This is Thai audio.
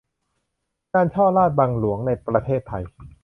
การฉ้อราษฎร์บังหลวงในประเทศไทย